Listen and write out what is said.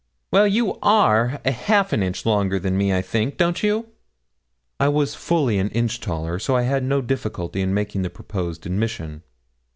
'Well, you are a half an inch longer than me, I think don't you?' I was fully an inch taller, so I had no difficulty in making the proposed admission.